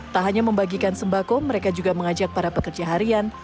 tak hanya membagikan sembako mereka juga mengajak para pekerja harian